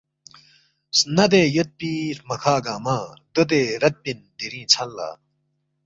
سندے یودپی ہرمکھا گنگمہ دودے ردپن دیرینگ ژھن لا